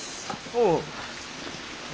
おう。